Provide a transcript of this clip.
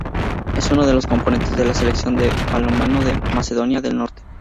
Es uno de los componentes de la Selección de balonmano de Macedonia del Norte.